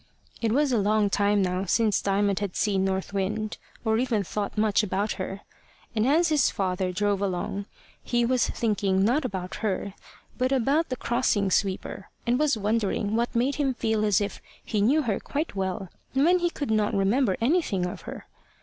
It was a long time now since Diamond had seen North Wind, or even thought much about her. And as his father drove along, he was thinking not about her, but about the crossing sweeper, and was wondering what made him feel as if he knew her quite well, when he could not remember anything of her.